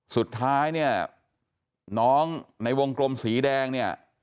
สุดท้ายเนี่ยน้องในวงกลมสีแดงเนี่ย